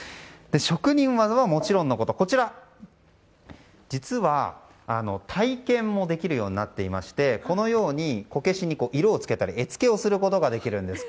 職人技はもちろんのこと実は、体験もできるようになっていましてこのようにこけしに色を付けたり絵付けをすることができるんです。